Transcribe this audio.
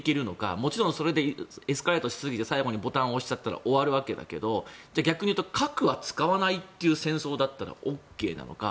もちろんそれでエスカレートしすぎて最後、ボタンを押したら終わるわけだけどじゃあ逆に言うと核は使わないっていう戦争だったらＯＫなのか。